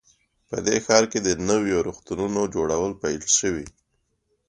په دې ښار کې د نویو روغتونونو جوړول پیل شوي